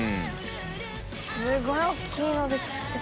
すごい大きいので作って。